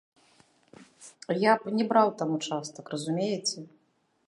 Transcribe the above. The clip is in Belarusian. Я б не браў там участак, разумееце?